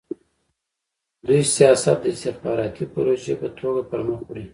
دوی سیاست د استخباراتي پروژې په توګه پرمخ وړي.